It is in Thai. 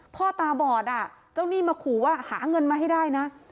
ตาบอดอ่ะเจ้าหนี้มาขู่ว่าหาเงินมาให้ได้นะ